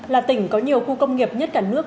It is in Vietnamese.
là tỉnh có nhiều khu công nghiệp nhất cả nước